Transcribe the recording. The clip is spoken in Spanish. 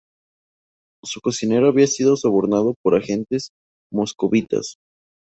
Su cocinero había sido sobornado por agentes moscovitas.